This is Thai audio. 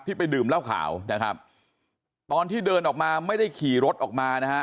ไปดื่มเหล้าขาวนะครับตอนที่เดินออกมาไม่ได้ขี่รถออกมานะฮะ